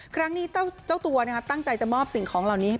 ครั้งนี้เจ้าตัวตั้งใจจะมอบสิ่งของเหล่านี้ให้